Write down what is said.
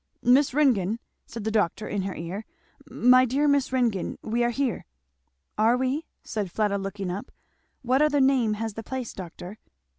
"Miss Ringgan!" said the doctor in her ear, "my dear Miss Ringgan! we are here! " "Are we?" said Fleda, looking up; "what other name has the place, doctor?"